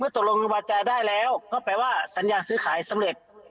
ตกลงกับเงินกว่าวาจาได้แล้ลก็แปลว่าสัญญาณซื้อขายสำเร็จ